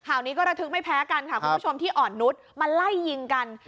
ข่าวนี้ก็ระทึกไม่แพ้กันค่ะคุณผู้ชมที่อ่อนนุษย์มาไล่ยิงกัน